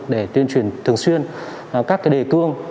để tuyên truyền thường xuyên các đề cương